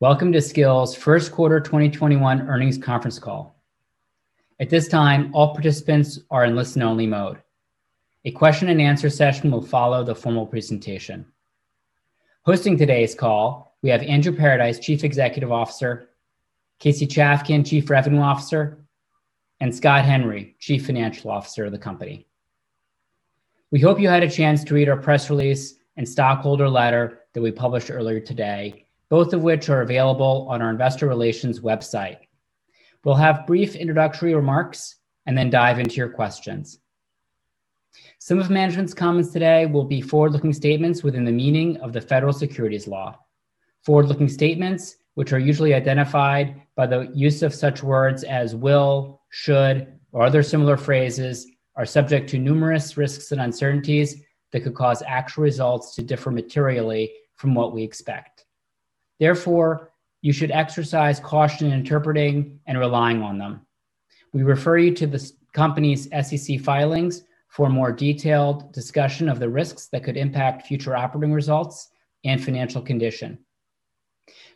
Welcome to Skillz' first quarter 2021 earnings conference call. At this time, all participants are in listen-only mode. A question-and-answer session will follow the formal presentation. Hosting today's call, we have Andrew Paradise, Chief Executive Officer, Casey Chafkin, Chief Revenue Officer, and Scott Henry, Chief Financial Officer of the company. We hope you had a chance to read our press release and stockholder letter that we published earlier today, both of which are available on our Investor Relations website. We'll have brief introductory remarks and then dive into your questions. Some of management's comments today will be forward-looking statements within the meaning of the Federal Securities Law. Forward-looking statements, which are usually identified by the use of such words as will, should, or other similar phrases, are subject to numerous risks and uncertainties that could cause actual results to differ materially from what we expect. Therefore, you should exercise caution in interpreting and relying on them. We refer you to the company's SEC filings for a more detailed discussion of the risks that could impact future operating results and financial condition.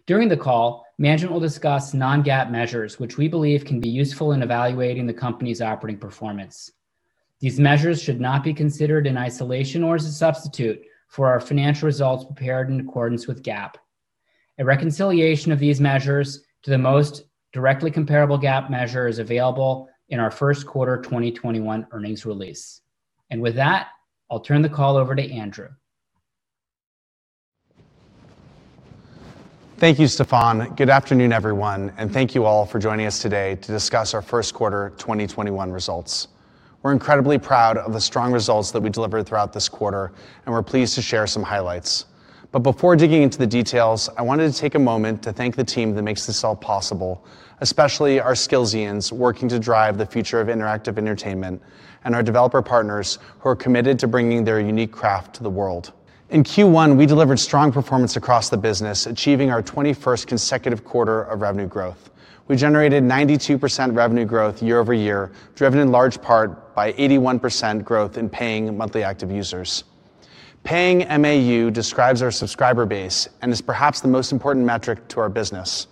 During the call, management will discuss non-GAAP measures, which we believe can be useful in evaluating the company's operating performance. These measures should not be considered in isolation or as a substitute for our financial results prepared in accordance with GAAP. A reconciliation of these measures to the most directly comparable GAAP measure is available in our first quarter 2021 earnings release. With that, I'll turn the call over to Andrew. Thank you, Stefan. Good afternoon, everyone, and thank you all for joining us today to discuss our first quarter 2021 results. We're incredibly proud of the strong results that we delivered throughout this quarter, and we're pleased to share some highlights. Before digging into the details, I wanted to take a moment to thank the team that makes this all possible, especially our Skillzians working to drive the future of interactive entertainment, and our developer partners who are committed to bringing their unique craft to the world. In Q1, we delivered strong performance across the business, achieving our 21st consecutive quarter of revenue growth. We generated 92% revenue growth year-over-year, driven in large part by 81% growth in Paying Monthly Active Users. Paying MAU describes our subscriber base and is perhaps the most important metric to our business.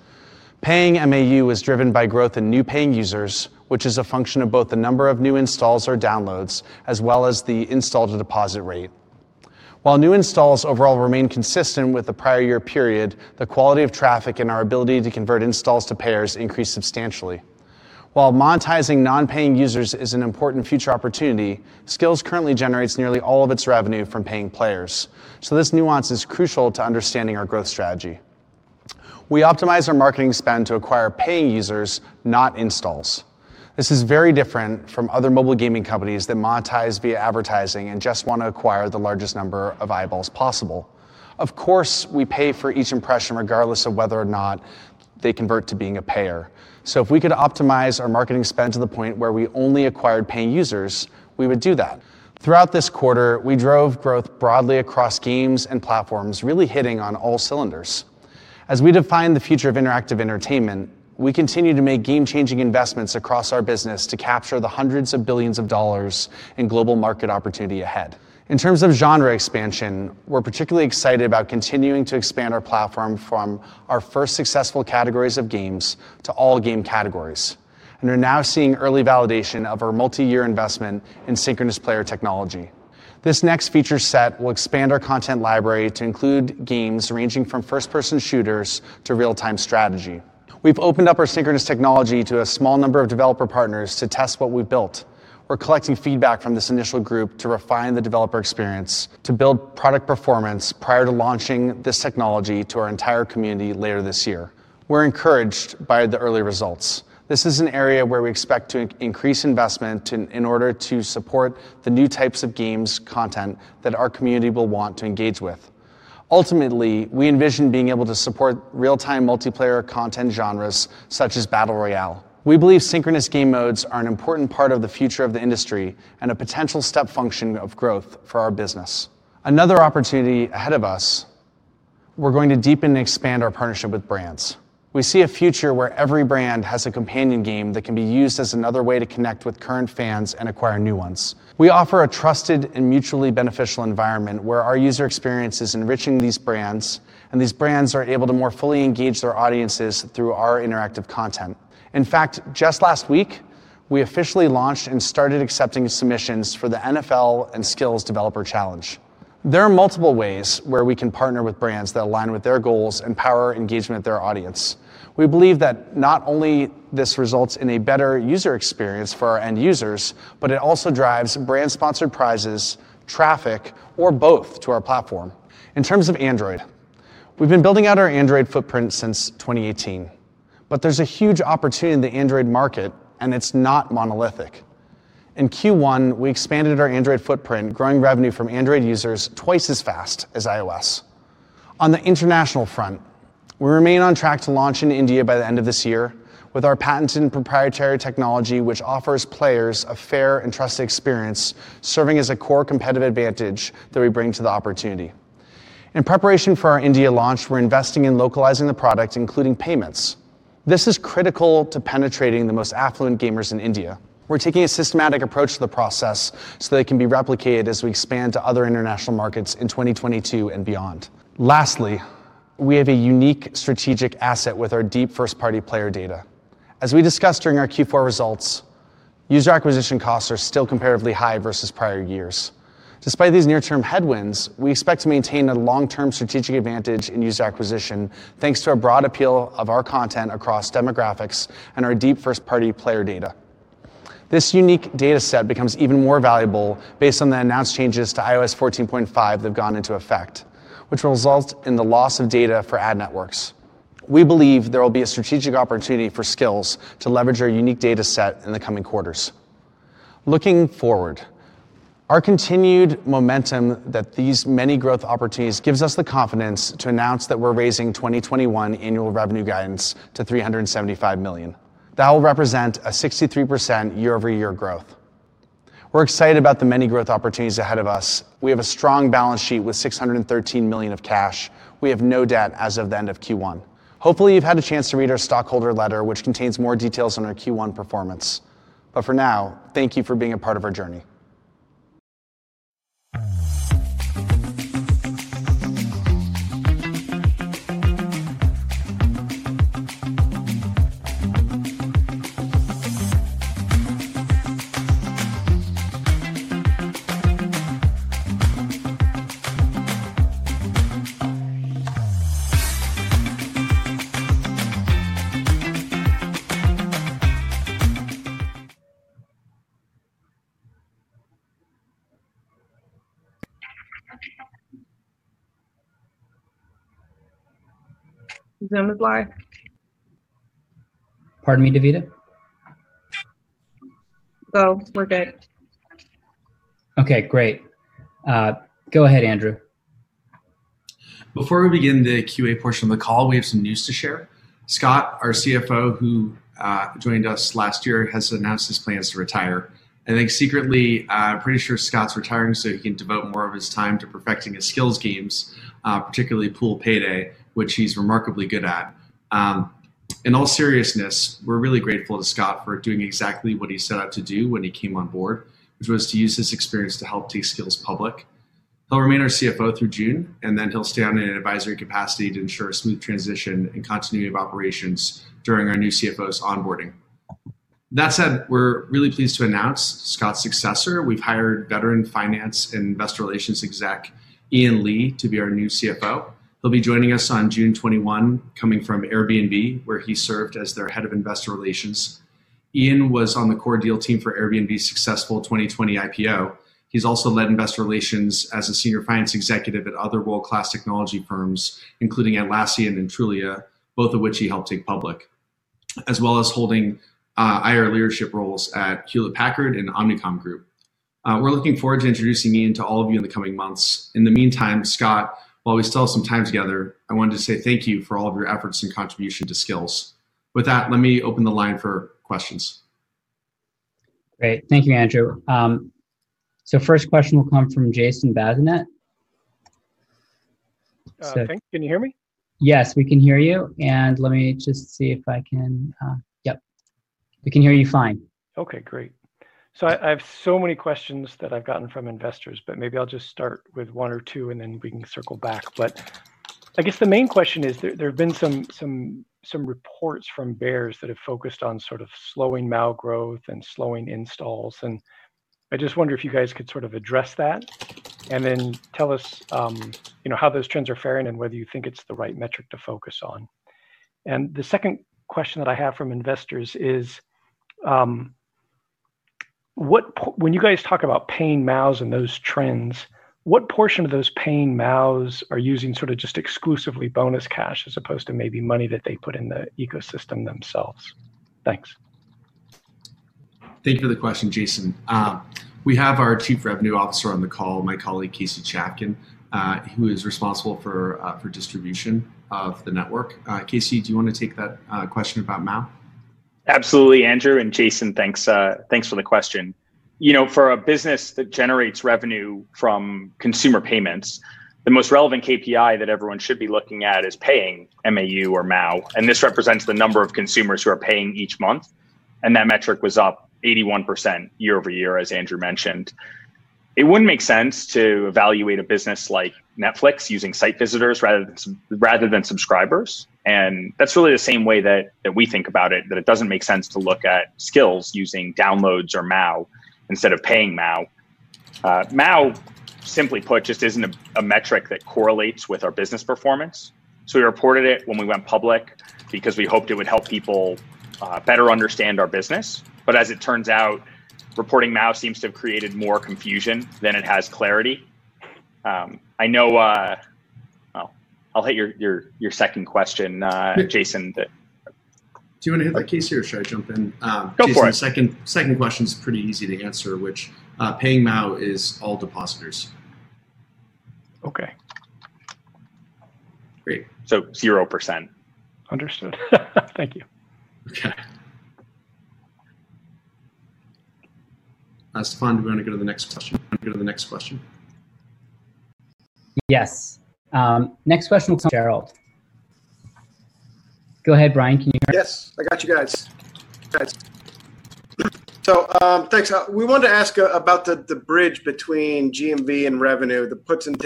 Paying MAU is driven by growth in new paying users, which is a function of both the number of new installs or downloads, as well as the install-to-deposit rate. While new installs overall remain consistent with the prior year period, the quality of traffic and our ability to convert installs to payers increased substantially. While monetizing non-paying users is an important future opportunity, Skillz currently generates nearly all of its revenue from paying players, so this nuance is crucial to understanding our growth strategy. We optimize our marketing spend to acquire paying users, not installs. This is very different from other mobile gaming companies that monetize via advertising and just want to acquire the largest number of eyeballs possible. Of course, we pay for each impression regardless of whether or not they convert to being a payer. If we could optimize our marketing spend to the point where we only acquired paying users, we would do that. Throughout this quarter, we drove growth broadly across games and platforms, really hitting on all cylinders. As we define the future of interactive entertainment, we continue to make game-changing investments across our business to capture the hundreds of billions of dollars in global market opportunity ahead. In terms of genre expansion, we're particularly excited about continuing to expand our platform from our first successful categories of games to all game categories, and are now seeing early validation of our multi-year investment in synchronous player technology. This next feature set will expand our content library to include games ranging from first-person shooters to real-time strategy. We've opened up our synchronous technology to a small number of developer partners to test what we've built. We're collecting feedback from this initial group to refine the developer experience to build product performance prior to launching this technology to our entire community later this year. We're encouraged by the early results. This is an area where we expect to increase investment in order to support the new types of games content that our community will want to engage with. Ultimately, we envision being able to support real-time multiplayer content genres such as Battle Royale. We believe synchronous game modes are an important part of the future of the industry and a potential step function of growth for our business. Another opportunity ahead of us, we're going to deepen and expand our partnership with brands. We see a future where every brand has a companion game that can be used as another way to connect with current fans and acquire new ones. We offer a trusted and mutually beneficial environment where our user experience is enriching these brands, and these brands are able to more fully engage their audiences through our interactive content. In fact, just last week, we officially launched and started accepting submissions for the NFL and Skillz Developer Challenge. There are multiple ways where we can partner with brands that align with their goals and power engagement with their audience. We believe that not only this results in a better user experience for our end users, but it also drives brand-sponsored prizes, traffic, or both to our platform. In terms of Android, we've been building out our Android footprint since 2018, but there's a huge opportunity in the Android market, and it's not monolithic. In Q1, we expanded our Android footprint, growing revenue from Android users twice as fast as iOS. On the international front, we remain on track to launch in India by the end of this year with our patented and proprietary technology, which offers players a fair and trusted experience, serving as a core competitive advantage that we bring to the opportunity. In preparation for our India launch, we're investing in localizing the product, including payments. This is critical to penetrating the most affluent gamers in India. We're taking a systematic approach to the process so that it can be replicated as we expand to other international markets in 2022 and beyond. Lastly, we have a unique strategic asset with our deep first-party player data. As we discussed during our Q4 results, user acquisition costs are still comparatively high versus prior years. Despite these near-term headwinds, we expect to maintain a long-term strategic advantage in user acquisition, thanks to our broad appeal of our content across demographics and our deep first-party player data. This unique data set becomes even more valuable based on the announced changes to iOS 14.5 that have gone into effect, which will result in the loss of data for ad networks. We believe there will be a strategic opportunity for Skillz to leverage our unique data set in the coming quarters. Looking forward, our continued momentum that these many growth opportunities gives us the confidence to announce that we're raising 2021 annual revenue guidance to $375 million. That will represent a 63% year-over-year growth. We're excited about the many growth opportunities ahead of us. We have a strong balance sheet with $613 million of cash. We have no debt as of the end of Q1. Hopefully, you've had a chance to read our stockholder letter, which contains more details on our Q1 performance. For now, thank you for being a part of our journey. Before we begin the QA portion of the call, we have some news to share. Scott Henry, our CFO, who joined us last year, has announced his plans to retire. I think secretly, I'm pretty sure Scott Henry's retiring so he can devote more of his time to perfecting his Skillz games, particularly Pool Payday, which he's remarkably good at. In all seriousness, we're really grateful to Scott Henry for doing exactly what he set out to do when he came on board, which was to use his experience to help take Skillz public. He'll remain our CFO through June, and then he'll stay on in an advisory capacity to ensure a smooth transition and continuity of operations during our new CFO's onboarding. That said, we're really pleased to announce Scott's successor. We've hired veteran finance investor relations exec, Ian Lee, to be our new CFO. He'll be joining us on June 21, coming from Airbnb, where he served as their Head of Investor Relations. Ian was on the core deal team for Airbnb's successful 2020 IPO. He's also led Investor Relations as a senior finance executive at other world-class technology firms, including Atlassian and Trulia, both of which he helped take public, as well as holding IR leadership roles at Hewlett-Packard and Omnicom Group. We're looking forward to introducing Ian to all of you in the coming months. In the meantime, Scott, while we still have some time together, I wanted to say thank you for all of your efforts and contribution to Skillz. With that, let me open the line for questions. Great. Thank you, Andrew. First question will come from Jason Bazinet. Thanks. Can you hear me? Yes, we can hear you. Yep, we can hear you fine. Okay, great. I have so many questions that I've gotten from investors, but maybe I'll just start with one or two, and then we can circle back. I guess the main question is there have been some reports from bears that have focused on sort of slowing MAU growth and slowing installs, and I just wonder if you guys could sort of address that, and then tell us how those trends are faring and whether you think it's the right metric to focus on. The second question that I have from investors is, when you guys talk about Paying MAUs and those trends, what portion of those Paying MAUs are using sort of just exclusively bonus cash as opposed to maybe money that they put in the ecosystem themselves? Thanks. Thank you for the question, Jason. We have our chief revenue officer on the call, my colleague, Casey Chafkin, who is responsible for distribution of the network. Casey, do you want to take that question about MAU? Absolutely, Andrew, and Jason, thanks for the question. For a business that generates revenue from consumer payments, the most relevant KPI that everyone should be looking at is Paying MAU or MAU. This represents the number of consumers who are paying each month. That metric was up 81% year-over-year, as Andrew mentioned. It wouldn't make sense to evaluate a business like Netflix using site visitors rather than subscribers. That's really the same way that we think about it, that it doesn't make sense to look at Skillz using downloads or MAU instead of Paying MAU. MAU, simply put, just isn't a metric that correlates with our business performance. We reported it when we went public because we hoped it would help people better understand our business. As it turns out, reporting MAU seems to have created more confusion than it has clarity. I'll hit your second question, Jason. Do you want to hit that, Casey, or should I jump in? Go for it. Jason, the second question's pretty easy to answer, which Paying MAU is all depositors. Okay. Great. 0%. Understood. Thank you. Okay. Stefan, we're going to go to the next question. Yes. Next question from [Gerald]. Go ahead, [Brian], can you hear us? Yes, I got you guys. Thanks. We wanted to ask about the bridge between GMV and revenue, the puts and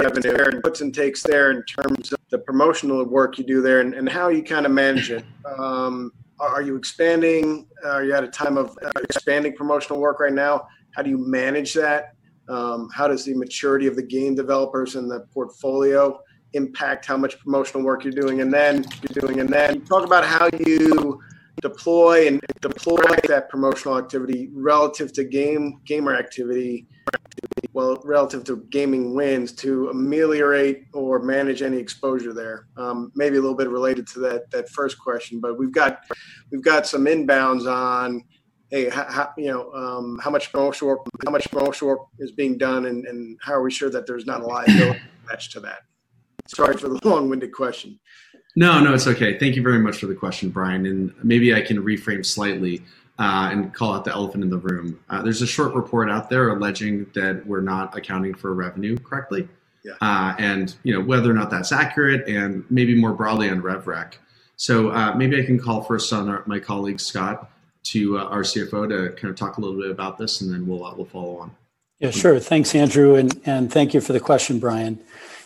takes there in terms of the promotional work you do there and how you manage it. Are you expanding? Are you at a time of expanding promotional work right now? How do you manage that? How does the maturity of the game developers and the portfolio impact how much promotional work you're doing? Talk about how you deploy that promotional activity relative to gamer activity, relative to gaming wins to ameliorate or manage any exposure there. Maybe a little bit related to that first question. We've got some inbounds on, how much promotional work is being done, and how are we sure that there's not a liability attached to that? Sorry for the long-winded question. No, it's okay. Thank you very much for the question, [Brian]. Maybe I can reframe slightly, and call out the elephant in the room. There's a short report out there alleging that we're not accounting for revenue correctly. Yeah. Whether or not that's accurate and maybe more broadly on revenue recognition. Maybe I can call first on my colleague, Scott, our CFO, to talk a little bit about this and then we'll follow on. Yeah, sure. Thanks, Andrew, and thank you for the question, [Brian].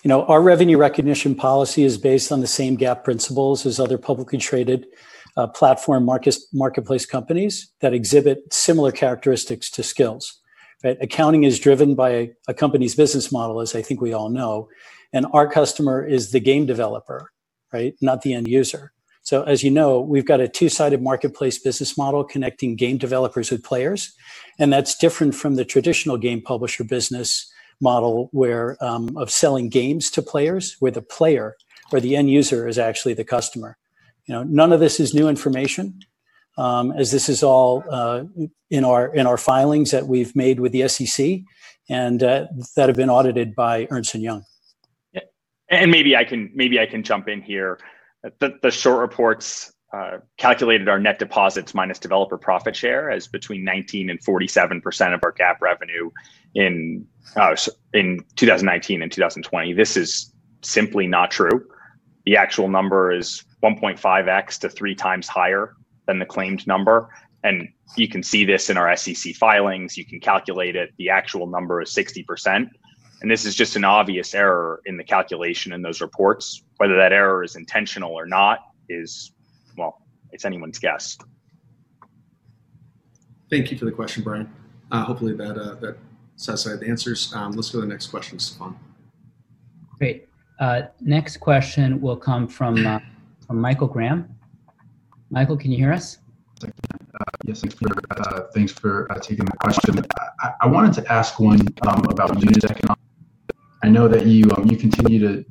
Our revenue recognition policy is based on the same GAAP principles as other publicly traded platform marketplace companies that exhibit similar characteristics to Skillz. Right? Accounting is driven by a company's business model, as I think we all know. Our customer is the game developer, right, not the end user. As you know, we've got a two-sided marketplace business model connecting game developers with players. That's different from the traditional game publisher business model of selling games to players, where the player or the end user is actually the customer. None of this is new information, as this is all in our filings that we've made with the SEC, and that have been audited by Ernst & Young. Maybe I can jump in here. The short reports calculated our net deposits minus developer profit share as between 19% and 47% of our GAAP revenue in 2019 and 2020. This is simply not true. The actual number is 1.5x to 3x higher than the claimed number, and you can see this in our SEC filings. You can calculate it. The actual number is 60%, and this is just an obvious error in the calculation in those reports. Whether that error is intentional or not is, well, it's anyone's guess. Thank you for the question, [Brian]. Hopefully that satisfies the answers. Let's go to the next question, Stefan. Great. Next question will come from [Michael Graham. Michael], can you hear us? Yes, thanks for taking the question. I wanted to ask one about unit economics. I know that you continue to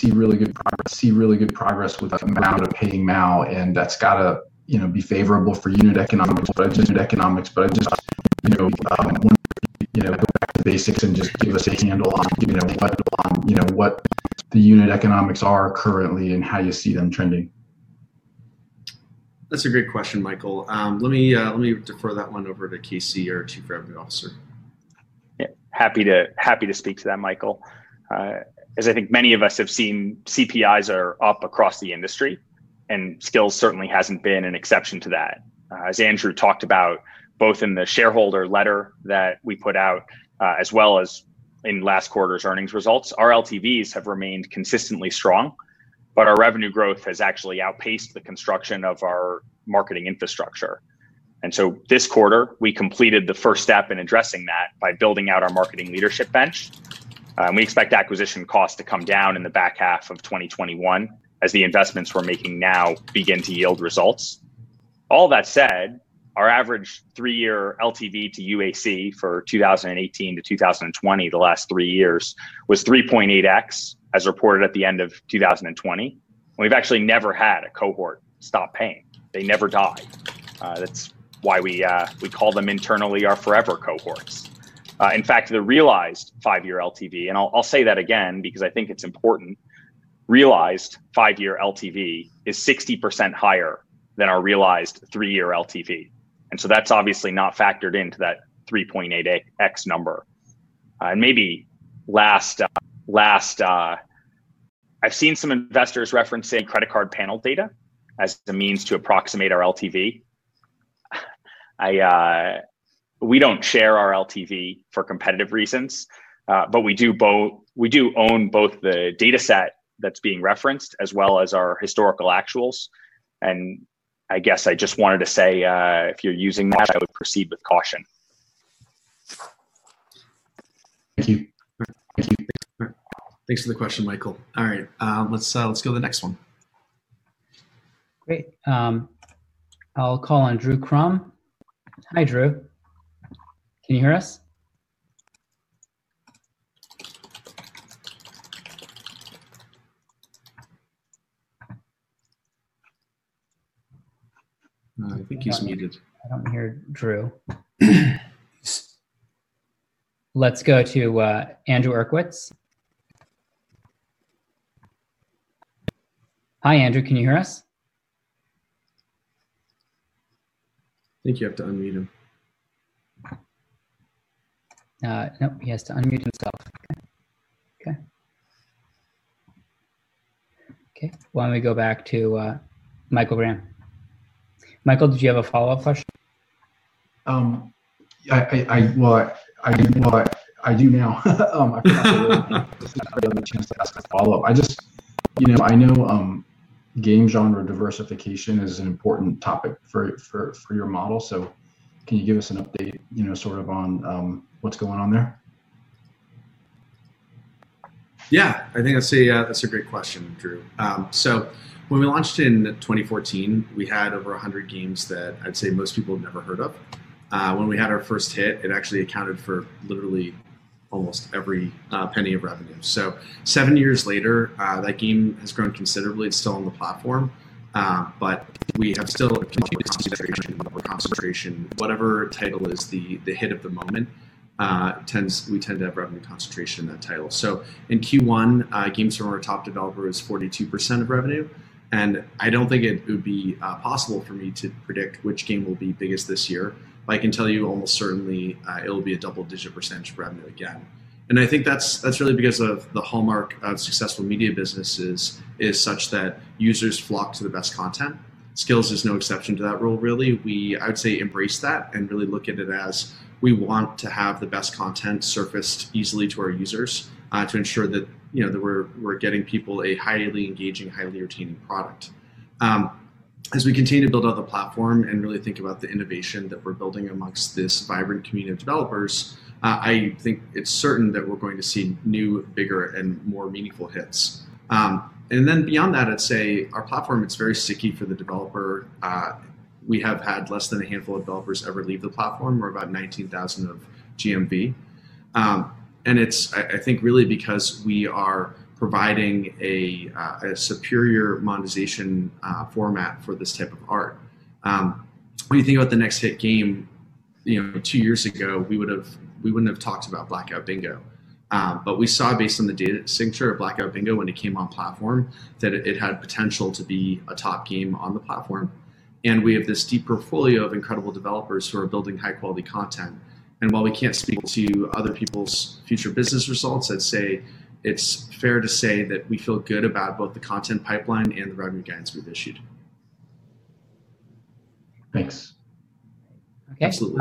see really good progress with the amount of Paying MAU, and that's got to be favorable for unit economics. I just wondered if you could go back to basics and just give us a handle on what the unit economics are currently and how you see them trending. That's a great question, [Michael]. Let me defer that one over to Casey, our Chief Revenue Officer. Yeah. Happy to speak to that, Michael. As I think many of us have seen, CPIs are up across the industry, and Skillz certainly hasn't been an exception to that. As Andrew talked about, both in the shareholder letter that we put out, as well as in last quarter's earnings results, our LTVs have remained consistently strong, but our revenue growth has actually outpaced the construction of our marketing infrastructure. This quarter, we completed the first step in addressing that by building out our marketing leadership bench. We expect acquisition costs to come down in the back half of 2021 as the investments we're making now begin to yield results. All that said, our average three-year LTV to UAC for 2018 to 2020, the last three years, was 3.8x, as reported at the end of 2020. We've actually never had a cohort stop paying. They never die. That's why we call them internally our forever cohorts. In fact, the realized five-year LTV, and I'll say that again because I think it's important, realized five-year LTV is 60% higher than our realized three-year LTV. That's obviously not factored into that 3.8x number. Maybe last, I've seen some investors referencing credit card panel data as the means to approximate our LTV. We don't share our LTV for competitive reasons. We do own both the dataset that's being referenced as well as our historical actuals, and I guess I just wanted to say, if you're using that, I would proceed with caution. Thank you. Thanks for the question, Michael. All right, let's go to the next one. Great. I'll call on Drew Crum. Hi, Drew. Can you hear us? No, I think he's muted. I don't hear Drew. Let's go to. Hi, Andrew. Can you hear us? I think you have to unmute him. Nope, he has to unmute himself. Okay. Why don't we go back to Michael Graham. Michael, did you have a follow-up question? Well, I do now. I forgot I didn't have a chance to ask a follow-up. I know game genre diversification is an important topic for your model, can you give us an update on what's going on there? Yeah. I think that's a great question, [Drew]. When we launched in 2014, we had over 100 games that I'd say most people had never heard of. When we had our first hit, it actually accounted for literally almost every penny of revenue. Seven years later, that game has grown considerably. It's still on the platform, but we have still continued concentration. Whatever title is the hit of the moment, we tend to have revenue concentration in that title. In Q1, games from our top developer is 42% of revenue, and I don't think it would be possible for me to predict which game will be biggest this year, but I can tell you almost certainly, it'll be a double-digit percentage revenue again. I think that's really because of the hallmark of successful media businesses is such that users flock to the best content. Skillz is no exception to that rule, really. We, I would say, embrace that and really look at it as we want to have the best content surfaced easily to our users, to ensure that we're getting people a highly engaging, highly retaining product. As we continue to build out the platform and really think about the innovation that we're building amongst this vibrant community of developers, I think it's certain that we're going to see new, bigger, and more meaningful hits. Beyond that, I'd say our platform is very sticky for the developer. We have had less than a handful of developers ever leave the platform. We're about $19,000 of GMV. It's, I think, really because we are providing a superior monetization format for this type of art. When you think about the next hit game, two years ago, we wouldn't have talked about Blackout Bingo. We saw based on the data signature of Blackout Bingo when it came on platform that it had potential to be a top game on the platform. We have this deep portfolio of incredible developers who are building high-quality content. While we can't speak to other people's future business results, I'd say it's fair to say that we feel good about both the content pipeline and the revenue guidance we've issued. Thanks. Absolutely.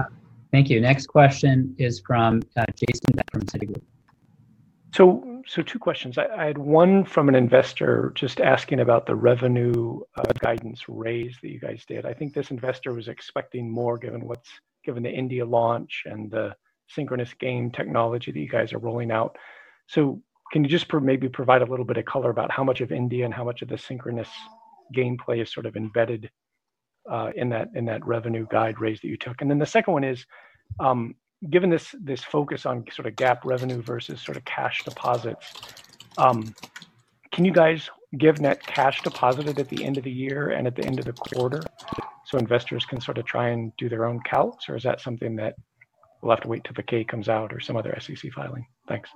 Thank you. Next question is from Jason Bazinet from Citigroup. Two questions. I had one from an investor just asking about the revenue guidance raise that you guys did. I think this investor was expecting more given the India launch and the synchronous game technology that you guys are rolling out. Can you just maybe provide a little bit of color about how much of India and how much of the synchronous gameplay is sort of embedded in that revenue guide raise that you took? The second one is, given this focus on GAAP revenue versus cash deposits, can you guys give net cash deposited at the end of the year and at the end of the quarter so investors can try and do their own calcs, or is that something that we'll have to wait till the K comes out or some other SEC filing? Thanks.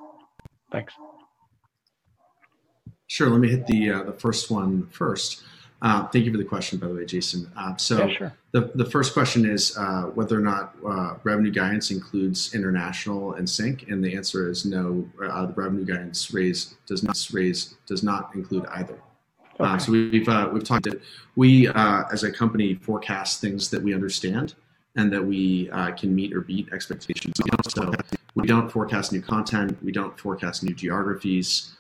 Sure. Let me hit the first one first. Thank you for the question, by the way, Jason. Yeah, sure. The first question is whether or not revenue guidance includes international and sync, and the answer is no. The revenue guidance does not include either. Okay. We as a company forecast things that we understand and that we can meet or beat expectations on. We don't forecast new content. We don't forecast new geographies.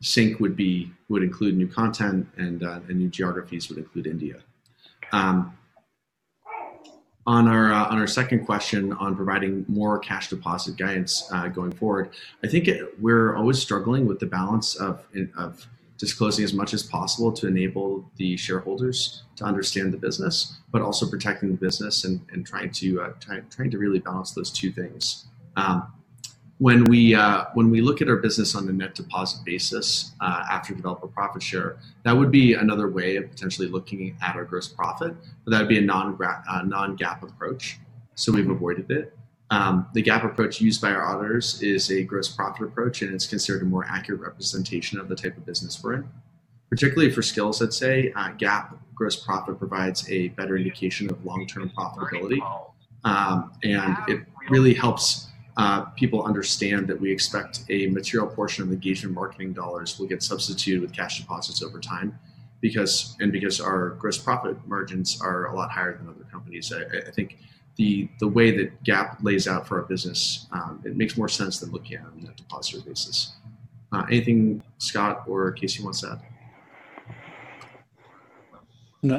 Sync would include new content, and new geographies would include India. Okay. On our second question on providing more cash deposit guidance going forward, I think we're always struggling with the balance of disclosing as much as possible to enable the shareholders to understand the business, but also protecting the business and trying to really balance those two things. When we look at our business on a net deposit basis after developer profit share, that would be another way of potentially looking at our gross profit, but that would be a non-GAAP approach, so we've avoided it. The GAAP approach used by our auditors is a gross profit approach, and it's considered a more accurate representation of the type of business we're in. Particularly for Skillz, I'd say GAAP gross profit provides a better indication of long-term profitability. It really helps people understand that we expect a material portion of engagement marketing dollars will get substituted with cash deposits over time. Because our gross profit margins are a lot higher than other companies, I think the way that GAAP lays out for our business, it makes more sense than looking at it on a net deposit basis. Anything Scott or Casey wants to add?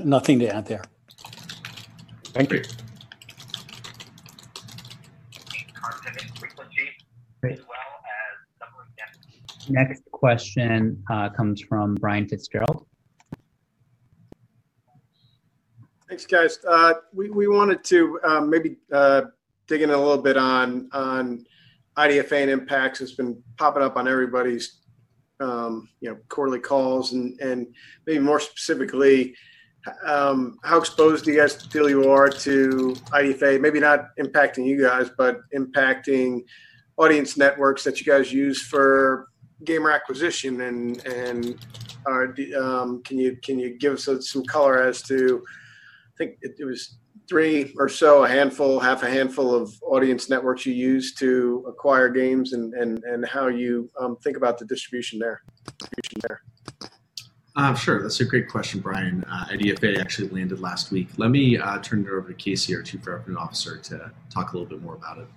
Nothing to add there. Thank you. Next question comes from Brian Fitzgerald. Thanks, guys. We wanted to maybe dig in a little bit on IDFA and impacts. It's been popping up on everybody's quarterly calls. Maybe more specifically, how exposed do you guys feel you are to IDFA? Maybe not impacting you guys, but impacting audience networks that you guys use for gamer acquisition and can you give us some color as to, I think it was three or so, a handful, half a handful of audience networks you use to acquire games and how you think about the distribution there? Sure. That's a great question, Brian. IDFA actually landed last week. Let me turn it over to Casey, our Chief Revenue Officer, to talk a little bit more about it.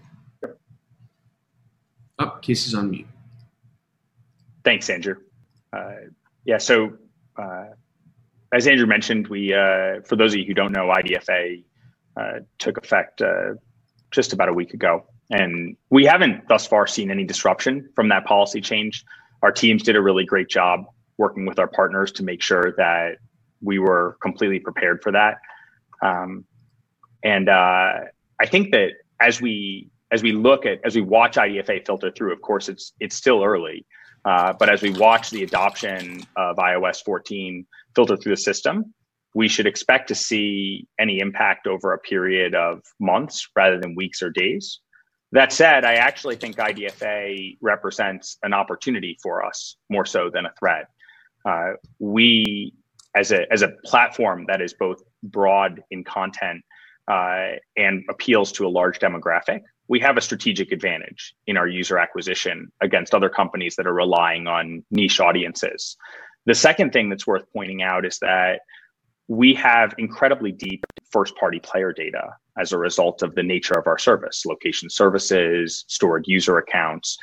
Casey's on mute. Thanks, Andrew. As Andrew mentioned, for those of you who don't know, IDFA took effect just about a week ago, and we haven't thus far seen any disruption from that policy change. Our teams did a really great job working with our partners to make sure that we were completely prepared for that. I think that as we watch IDFA filter through, of course, it's still early, but as we watch the adoption of iOS 14 filter through the system, we should expect to see any impact over a period of months rather than weeks or days. That said, I actually think IDFA represents an opportunity for us more so than a threat. We, as a platform that is both broad in content and appeals to a large demographic, we have a strategic advantage in our user acquisition against other companies that are relying on niche audiences. The second thing that's worth pointing out is that we have incredibly deep first-party player data as a result of the nature of our service. Location services, stored user accounts,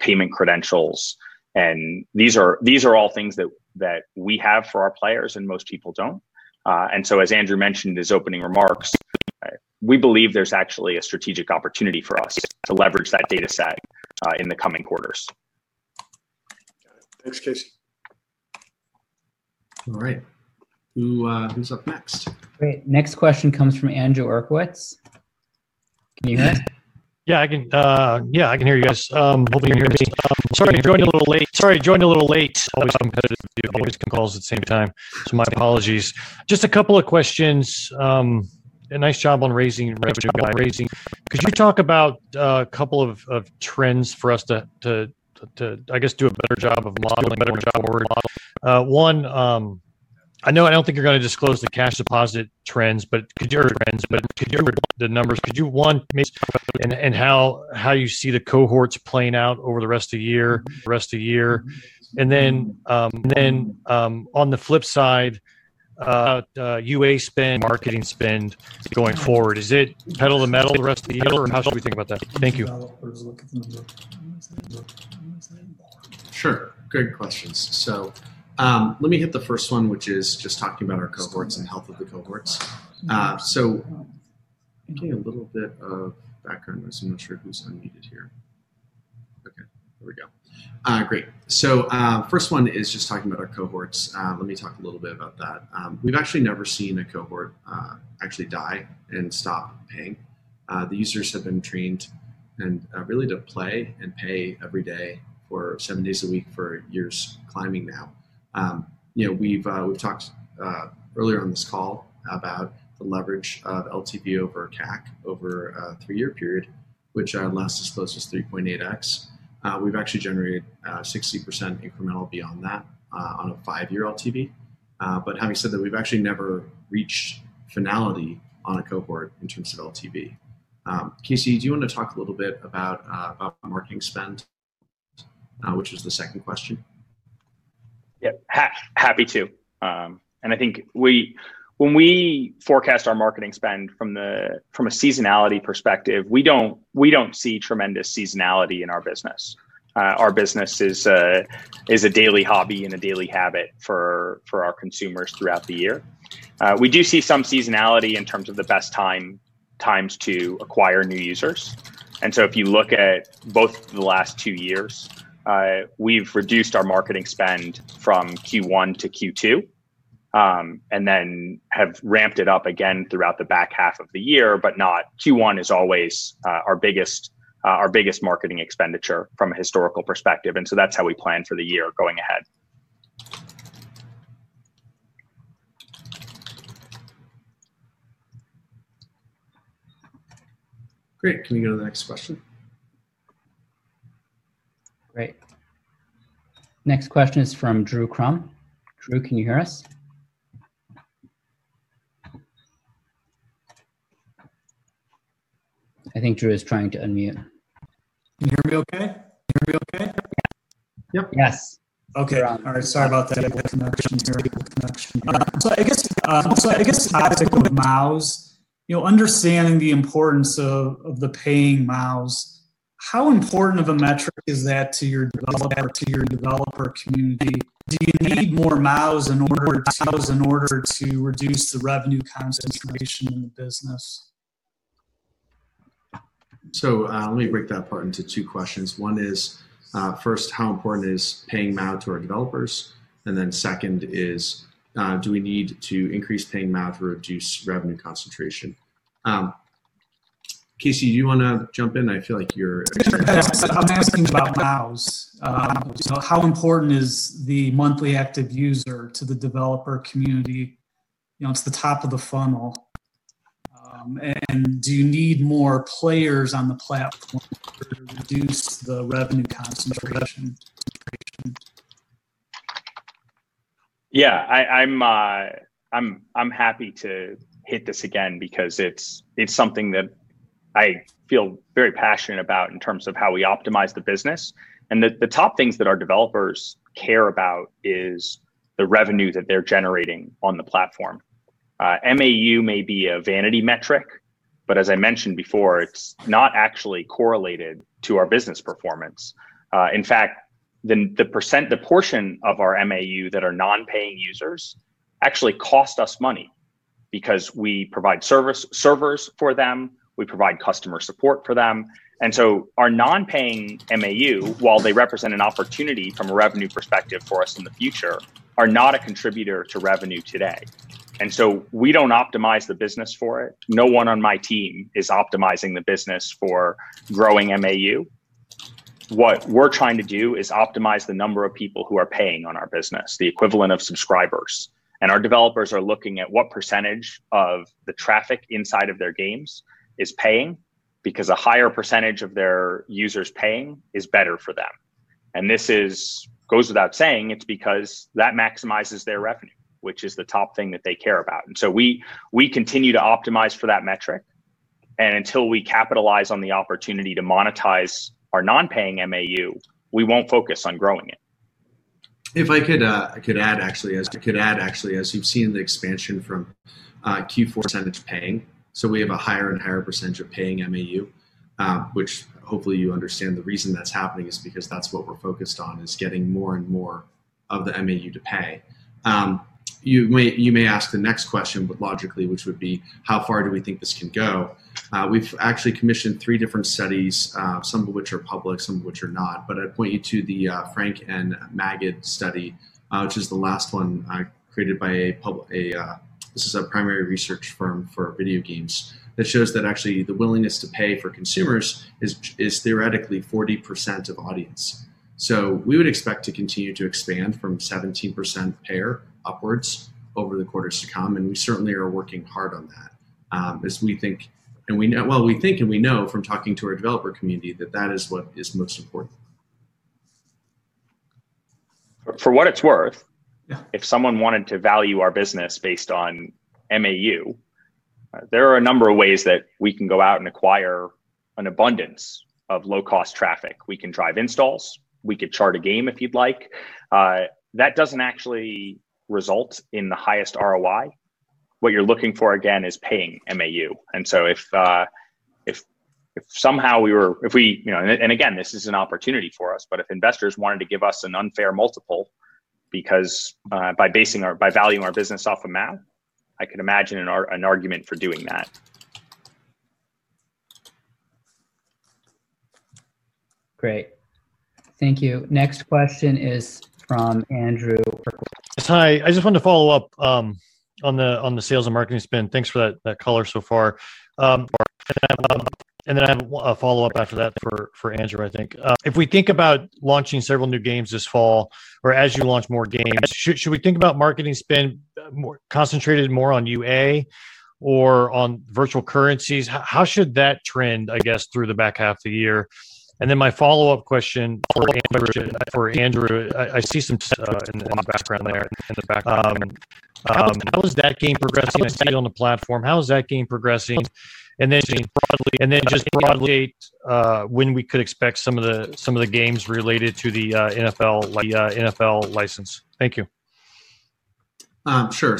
payment credentials, and these are all things that we have for our players and most people don't. As Andrew mentioned in his opening remarks, we believe there's actually a strategic opportunity for us to leverage that data set in the coming quarters. Got it. Thanks, Casey. All right. Who's up next? Great. Next question comes from Andrew Uerkwitz. Can you hear us? I can hear you guys. Hopefully you can hear me. Sorry, joined a little late. Always competitive with you, always at the same time. My apologies. Just a couple of questions. A nice job on raising the revenue guide. Could you talk about a couple of trends for us to, I guess, do a better job of modeling going forward? One, I know I don't think you're going to disclose the cash deposit trends, but could you disclose the numbers? Could you, one, maybe talk about and how you see the cohorts playing out over the rest of year? On the flip side, UA spend, marketing spend going forward, is it pedal to the metal the rest of the year, or how should we think about that? Thank you. Sure. Great questions. Let me hit the first one, which is just talking about our cohorts and health of the cohorts. Getting a little bit of background noise. I'm not sure who's unmuted here. Okay, here we go. Great. First one is just talking about our cohorts. Let me talk a little bit about that. We've actually never seen a cohort actually die and stop paying. The users have been trained really to play and pay every day for seven days a week for years climbing now. We've talked earlier on this call about the leverage of LTV over CAC over a three-year period, which lasts as close as 3.8x. We've actually generated 60% incremental beyond that on a five-year LTV. Having said that, we've actually never reached finality on a cohort in terms of LTV. Casey, do you want to talk a little bit about marketing spend, which was the second question? Yep, happy to. I think when we forecast our marketing spend from a seasonality perspective, we don't see tremendous seasonality in our business. Our business is a daily hobby and a daily habit for our consumers throughout the year. We do see some seasonality in terms of the best times to acquire new users. If you look at both the last two years, we've reduced our marketing spend from Q1 to Q2, and then have ramped it up again throughout the back half of the year, but not Q1 is always our biggest marketing expenditure from a historical perspective. That's how we plan for the year going ahead. Great. Can we go to the next question? Great. Next question is from Drew Crum. Drew, can you hear us? I think Drew is trying to unmute. Can you hear me okay? Yep. Yes. Okay. All right. Sorry about that. Connection error. I guess, topic of MAUs, understanding the importance of the paying MAUs, how important of a metric is that to your developer community? Do you need more MAUs in order to reduce the revenue concentration in the business? Let me break that apart into two questions. One is, first, how important is Paying MAU to our developers? Second is, do we need to increase Paying MAU to reduce revenue concentration? Casey, do you want to jump in? I feel like you're- Sure. I'm asking about MAUs. How important is the monthly active user to the developer community? It's the top of the funnel. Do you need more players on the platform to reduce the revenue concentration? Yeah, I'm happy to hit this again because it's something that I feel very passionate about in terms of how we optimize the business. The top things that our developers care about is the revenue that they're generating on the platform. MAU may be a vanity metric, but as I mentioned before, it's not actually correlated to our business performance. In fact, the portion of our MAU that are non-paying users actually cost us money because we provide servers for them, we provide customer support for them. Our non-paying MAU, while they represent an opportunity from a revenue perspective for us in the future, are not a contributor to revenue today. We don't optimize the business for it. No one on my team is optimizing the business for growing MAU. What we're trying to do is optimize the number of people who are paying on our business, the equivalent of subscribers. Our developers are looking at what percentage of the traffic inside of their games is paying, because a higher percentage of their users paying is better for them. This goes without saying, it's because that maximizes their revenue, which is the top thing that they care about. We continue to optimize for that metric, and until we capitalize on the opportunity to monetize our non-paying MAU, we won't focus on growing it. If I could add actually, as you've seen the expansion from Q4 percentage paying, we have a higher and higher percentage of Paying MAU, which hopefully you understand the reason that's happening is because that's what we're focused on, is getting more and more of the MAU to pay. You may ask the next question, logically, which would be, how far do we think this can go? We've actually commissioned three different studies, some of which are public, some of which are not, I'd point you to the Frank N. Magid study, which is the last one created by a primary research firm for video games that shows that actually the willingness to pay for consumers is theoretically 40% of audience. We would expect to continue to expand from 17% payer upwards over the quarters to come, and we certainly are working hard on that. As we think and we know from talking to our developer community that that is what is most important. For what it's worth. Yeah If someone wanted to value our business based on MAU, there are a number of ways that we can go out and acquire an abundance of low-cost traffic. We can drive installs, we could chart a game if you'd like. That doesn't actually result in the highest ROI. What you're looking for, again, is Paying MAU. If somehow, and again, this is an opportunity for us, but if investors wanted to give us an unfair multiple by valuing our business off of MAU, I could imagine an argument for doing that. Great. Thank you. Next question is from Andrew Uerkwitz. Hi. I just wanted to follow up on the sales and marketing spend. Thanks for that color so far. I have a follow-up after that for Andrew, I think. If we think about launching several new games this fall, or as you launch more games, should we think about marketing spend concentrated more on UA or on virtual currencies? How should that trend, I guess, through the back half of the year? My follow-up question for Andrew, I see some in the background there. How is that game progressing on the platform? How is that game progressing? Just broadly, when we could expect some of the games related to the NFL license. Thank you. Sure.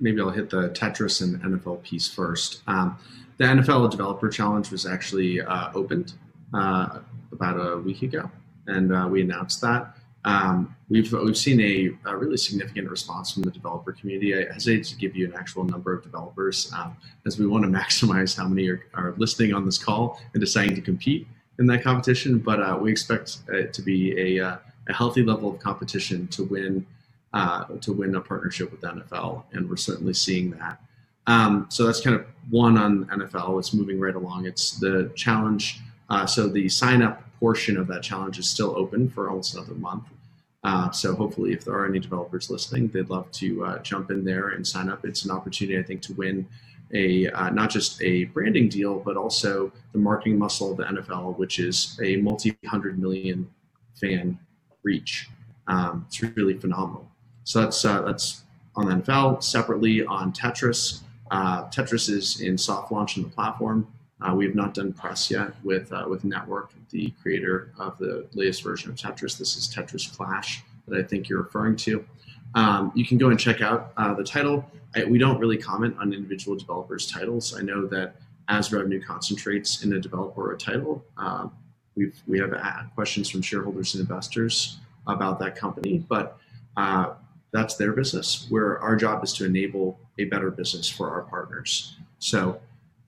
Maybe I'll hit the Tetris and NFL piece first. The NFL Developer Challenge was actually opened about a week ago, and we announced that. We've seen a really significant response from the developer community. I hesitate to give you an actual number of developers, as we want to maximize how many are listening on this call and deciding to compete in that competition. We expect it to be a healthy level of competition to win a partnership with the NFL, and we're certainly seeing that. That's one on NFL. It's moving right along. It's the challenge, so the sign-up portion of that challenge is still open for almost another month. Hopefully if there are any developers listening, they'd love to jump in there and sign up. It's an opportunity, I think, to win not just a branding deal, but also the marketing muscle of the NFL, which is a multi-hundred million fan reach. That's on the NFL. Separately on Tetris. Tetris is in soft launch on the platform. We have not done press yet with N3TWORK, the creator of the latest version of Tetris. This is Tetris Clash that I think you're referring to. You can go and check out the title. We don't really comment on individual developers' titles. I know that as revenue concentrates in a developer or a title, we have questions from shareholders and investors about that company, but that's their business, where our job is to enable a better business for our partners.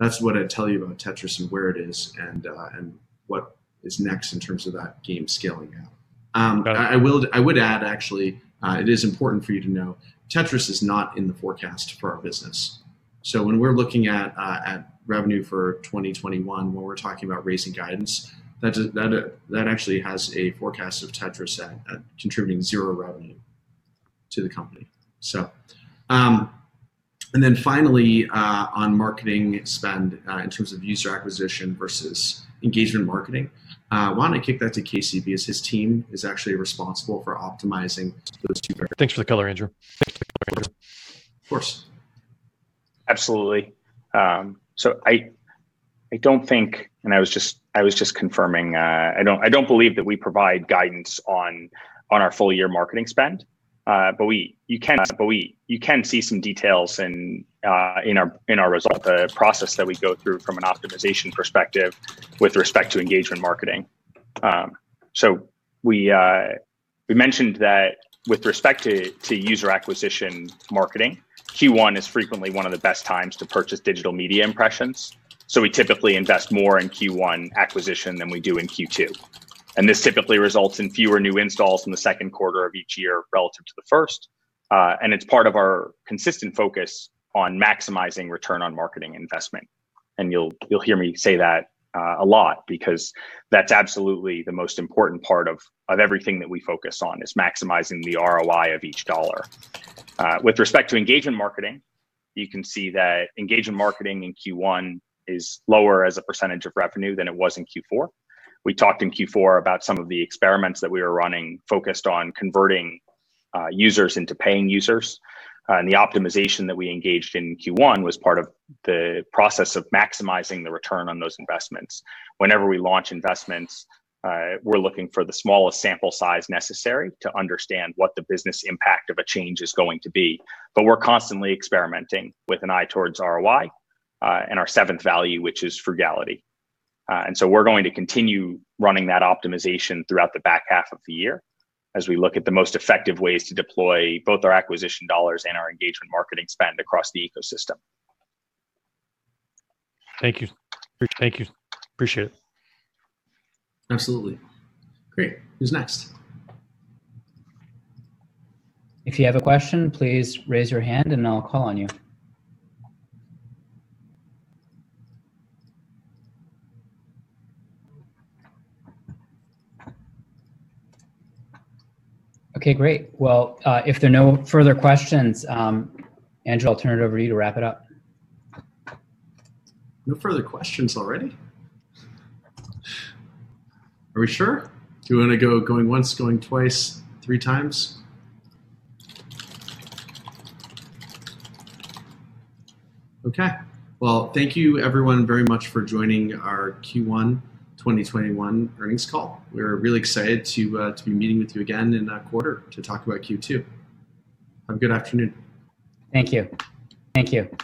That's what I'd tell you about Tetris and where it is and what is next in terms of that game scaling out. I would add, actually, it is important for you to know Tetris is not in the forecast for our business. When we're looking at revenue for 2021, when we're talking about raising guidance, that actually has a forecast of Tetris at contributing zero revenue to the company. Finally, on marketing spend, in terms of user acquisition versus engagement marketing, why not kick that to Casey, because his team is actually responsible for optimizing those two. Thanks for the color, Andrew. Of course. Absolutely. I don't think, and I was just confirming, I don't believe that we provide guidance on our full-year marketing spend. You can see some details in our result, the process that we go through from an optimization perspective with respect to engagement marketing. We mentioned that with respect to user acquisition marketing, Q1 is frequently one of the best times to purchase digital media impressions. We typically invest more in Q1 acquisition than we do in Q2. This typically results in fewer new installs in the second quarter of each year relative to the first. It's part of our consistent focus on maximizing return on marketing investment. You'll hear me say that a lot, because that's absolutely the most important part of everything that we focus on is maximizing the ROI of each dollar. With respect to engagement marketing, you can see that engagement marketing in Q1 is lower as a percentage of revenue than it was in Q4. We talked in Q4 about some of the experiments that we were running focused on converting users into paying users. The optimization that we engaged in in Q1 was part of the process of maximizing the return on those investments. Whenever we launch investments, we're looking for the smallest sample size necessary to understand what the business impact of a change is going to be. We're constantly experimenting with an eye towards ROI, and our seventh value, which is frugality. We're going to continue running that optimization throughout the back half of the year as we look at the most effective ways to deploy both our acquisition dollars and our engagement marketing spend across the ecosystem. Thank you. Appreciate it. Absolutely. Great. Who's next? If you have a question, please raise your hand and I'll call on you. Okay, great. Well, if there are no further questions, Andrew, I'll turn it over to you to wrap it up. No further questions already? Are we sure? Do we want to go going once, going twice, three times? Okay. Well, thank you everyone very much for joining our Q1 2021 earnings call. We're really excited to be meeting with you again in a quarter to talk about Q2. Have a good afternoon. Thank you.